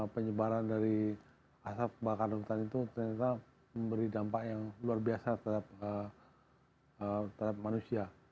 penyebaran dari asap bakar hutan itu ternyata memberi dampak yang luar biasa terhadap manusia